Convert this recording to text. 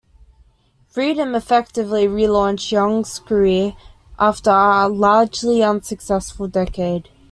"Freedom" effectively relaunched Young's career after a largely unsuccessful decade.